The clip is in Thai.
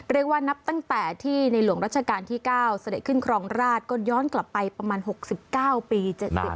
เรียกว่านับตั้งแต่ที่ในหลวงรัชกาลที่๙เสด็จขึ้นครองราชก็ย้อนกลับไปประมาณ๖๙ปี